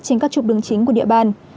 trên các trục đường chính của địa bàn